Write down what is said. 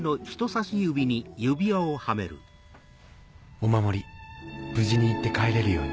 お守り無事に行って帰れるように。